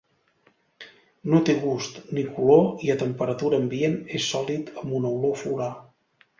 No té gust, ni color i a temperatura ambient és sòlid amb una olor floral.